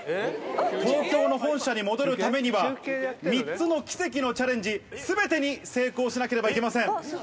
東京の本社に戻るためには、３つの奇跡のチャレンジすべてに成功しなければいけません。